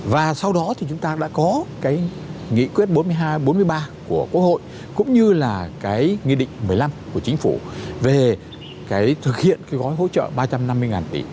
và sau đó thì chúng ta đã có cái nghị quyết bốn mươi hai bốn mươi ba của quốc hội cũng như là cái nghị định một mươi năm của chính phủ về cái thực hiện cái gói hỗ trợ ba trăm năm mươi tỷ